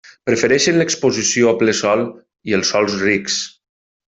Prefereixen l’exposició a ple sol i els sòls rics.